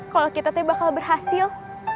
kalau kita tuh bakal berhasil